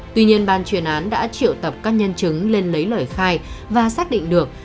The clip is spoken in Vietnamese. tuy nhiên ban chuyên án đã triệu tập các nhân chứng lên lấy lời khai và xác định được